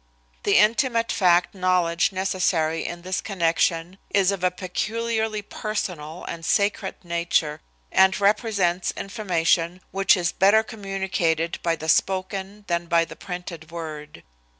The intimate fact knowledge necessary in this connection is of a peculiarly personal and sacred nature, and represents information which is better communicated by the spoken than by the printed word.